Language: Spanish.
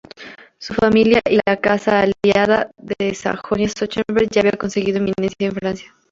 Su familia y la casa aliada de Sajonia-Schönberg ya había conseguido eminencia en Francia.